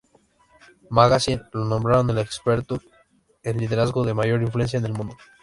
Magazine" lo nombraron el experto en Liderazgo de mayor influencia en el mundo.